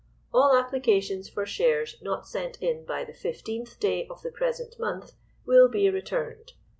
All applications for shares not sent in by the fifteenth day of the present month will be returned.